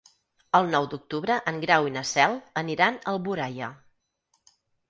El nou d'octubre en Grau i na Cel aniran a Alboraia.